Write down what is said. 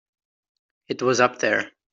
It was up there.